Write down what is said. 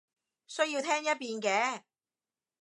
需要聽一遍嘅